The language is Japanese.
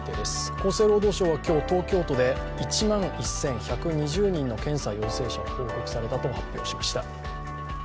厚生労働省は今日、東京都で１万１１２０人の検査陽性者が報告されたと発表しました。